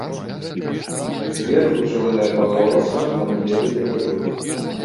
Зверху цёмная палоса мае белы беражок.